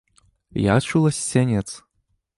Я чула з сянец.